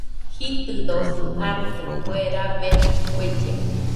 Jitɨdosi atɨ, kue rabe kuellena